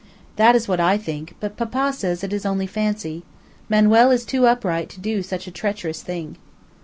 "That is what I think, but papa says it is only fancy; Manuel is too upright to do such a treacherous thing."